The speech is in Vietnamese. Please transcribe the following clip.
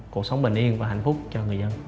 cuộc sống bình yên và hạnh phúc cho người dân